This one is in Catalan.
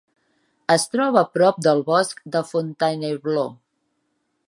Es troba prop del bosc de Fontainebleau.